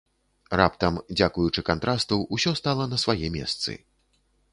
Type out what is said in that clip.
Раптам, дзякуючы кантрасту, усё стала на свае месцы.